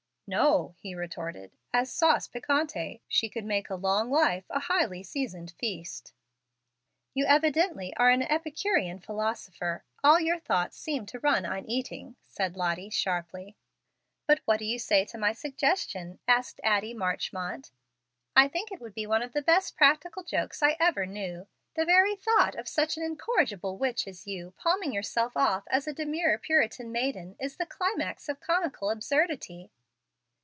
"No," he retorted, "as sauce piquante. She could make a long life a highly seasoned feast." "You evidently are an Epicurean philosopher; all your thoughts seem to run on eating," said Lottie, sharply. "But what say you to my suggestion?" asked Addie Marchmont. "I think it would be one of the best practical jokes I ever knew. The very thought of such an incorrigible witch as you palming yourself off as a demure Puritan maiden is the climax of comical absurdity."